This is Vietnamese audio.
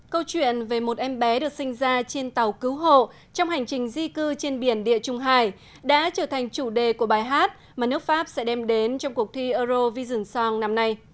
câu chuyện về một em bé được sinh ra trên tàu cứu hộ trong hành trình di cư trên biển địa trung hải đã trở thành chủ đề của bài hát mà nước pháp sẽ đem đến trong cuộc thi eurovision song năm nay